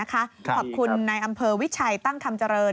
ขอบคุณในอำเภอวิชัยตั้งคำเจริญ